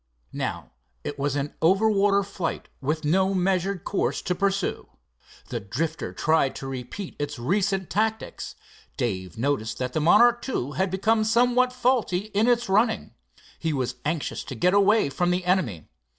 Now it was an over water flight with no measured course to pursue. The Drifter tried to repeat its recent tactics. Dave noticed that the Monarch II had become somewhat faulty in its running. He was anxious to get away from the enemy.